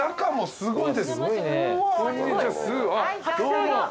すごい。